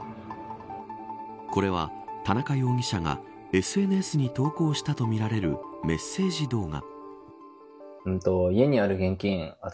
これは田中容疑者がＳＮＳに投稿したとみられるメッセージ動画。